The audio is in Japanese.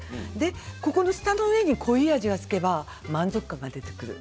ここの舌の上に濃い味がくれば満足感が出てくる。